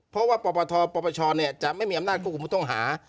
เพราะว่าปปทปปชจะไม่มีอำนาจควบคุมผู้ต้องหา